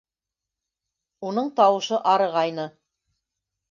— Уның тауышы арығайны.